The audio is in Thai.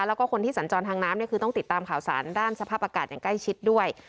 แล้วก็คนที่สัญจรทางน้ำเนี่ยคือต้องติดตามข่าวสารด้านสภาพอากาศอย่างใกล้ชิดด้วย